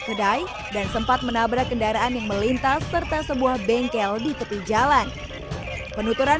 kedai dan sempat menabrak kendaraan yang melintas serta sebuah bengkel di tepi jalan penuturan